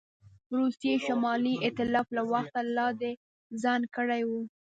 روسیې شمالي ایتلاف له وخته لا د ځان کړی وو.